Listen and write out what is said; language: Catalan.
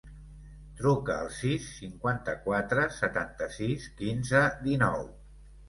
Truca al sis, cinquanta-quatre, setanta-sis, quinze, dinou.